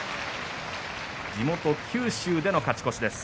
地元九州での勝ち越しです。